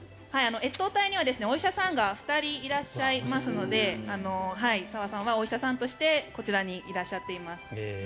越冬隊にはお医者さんが２人いらっしゃいますのでサワさんはお医者さんとしてこちらにいらっしゃっています。